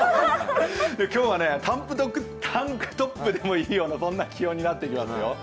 今日はタンクトップでいいような気温になってきますよ。